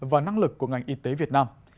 và năng lực của ngành y tế việt nam